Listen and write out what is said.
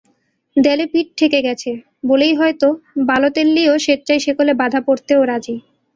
দেয়ালে পিঠ ঠেকে গেছে বলেই হয়তো বালোতেল্লিও স্বেচ্ছায় শেকলে বাঁধা পড়তেও রাজি।